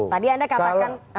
tadi anda katakan